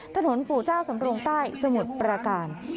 ปู่เจ้าสำรงใต้สมุทรประการ